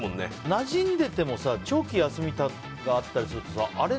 なじんでても長期休みがあったりするとあれ？